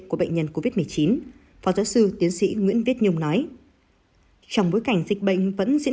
của bệnh nhân covid một mươi chín phó giáo sư tiến sĩ nguyễn viết nhung nói trong bối cảnh dịch bệnh vẫn diễn